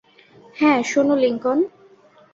হ্যাঁ, শোনো, লিংকন।